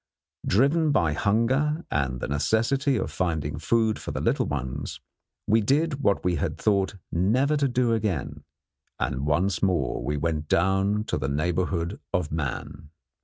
Driven by hunger and the necessity of finding food for the little ones we did what we had thought never to do again, and once more went down to the neighbourhood of man.